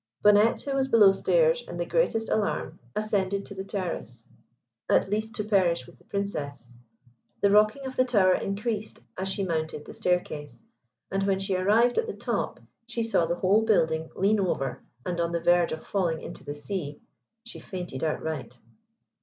Bonnette, who was below stairs, in the greatest alarm ascended to the terrace, at least to perish with the Princess. The rocking of the tower increased as she mounted the staircase, and when she arrived at the top and saw the whole building lean over and on the verge of falling into the sea, she fainted outright.